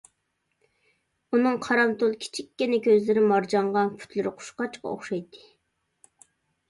ئۇنىڭ قارامتۇل، كىچىككىنە كۆزلىرى مارجانغا، پۇتلىرى قۇشقاچقا ئوخشايتتى.